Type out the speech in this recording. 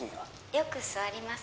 よく座ります